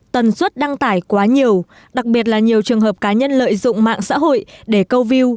tần suất đăng tải quá nhiều đặc biệt là nhiều trường hợp cá nhân lợi dụng mạng xã hội để câu view